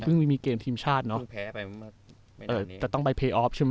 เพิ่งมีมีเกมทีมชาติเนอะแพ้ไปเอ่อแต่ต้องไปเปย์ออฟใช่ไหม